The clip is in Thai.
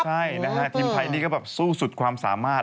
ใช่นะฮะทีมไทยนี่ก็แบบสู้สุดความสามารถ